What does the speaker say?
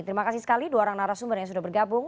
terima kasih sekali dua orang narasumber yang sudah bergabung